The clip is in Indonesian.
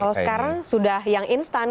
kalau sekarang sudah yang instan